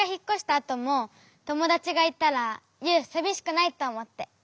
あともともだちがいたらユウさびしくないとおもって。